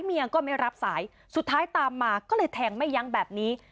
เมียก็ไม่รับสายสุดท้ายตามมาก็เลยแทงไม่ยั้งแบบนี้